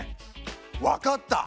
分かった！